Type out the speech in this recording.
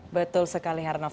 betul sekali harnaf